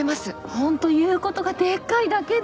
ホント言うことがでっかいだけで。